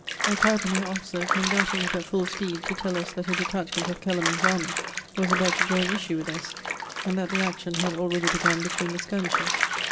A carabineer officer came dashing up at full speed to tell us that a detachment of Kellermann's army was about to join issue with us, and that the action had already begun between the skirmishers.